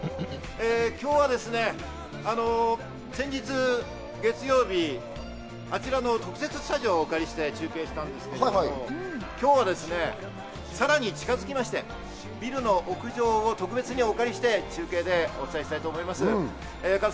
今日は先日、月曜日あちらの特設スタジオをお借りして中継したんですけれども、今日はさらに近づきまして、ビルの屋上をお借りして、中継をお伝えしたいと思います。